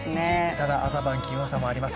ただ朝晩、気温差もあります